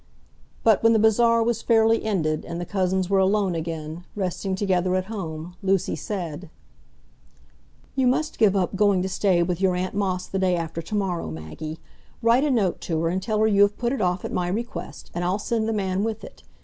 But when the bazaar was fairly ended, and the cousins were alone again, resting together at home, Lucy said,— "You must give up going to stay with your aunt Moss the day after to morrow, Maggie; write a note to her, and tell her you have put it off at my request, and I'll send the man with it.